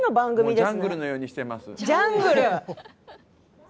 ジャングルのようになっています。